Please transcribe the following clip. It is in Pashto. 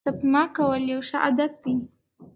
سپما کول یو ښه عادت دی.